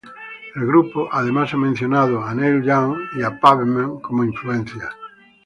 El grupo además ha mencionado a Neil Young y a Pavement como influencias.